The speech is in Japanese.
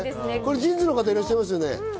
ＪＩＮＳの方いらっしゃいますよね。